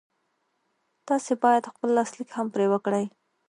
تاسې بايد خپل لاسليک هم پرې وکړئ.